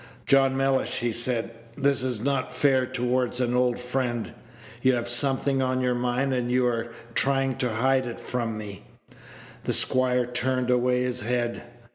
"John Mellish," he said, "this is not fair toward an old friend. You have something on your mind, and you are trying to hide it from me." The squire turned away his head.